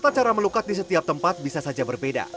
tata cara melukat di setiap tempat bisa saja berbeda